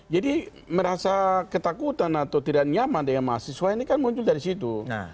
jadi merasa ketakutan atau tidak nyaman dengan mahasiswa ini kan muncul dari situ